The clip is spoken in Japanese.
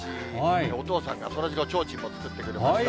お父さんがそらジローちょうちんも作ってくれました。